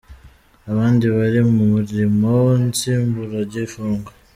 abandi bari mumirimo nsimburagifungo.